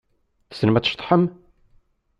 Tessnem ad tceḍḥem?